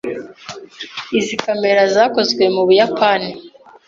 Izi kamera zakozwe mu Buyapani.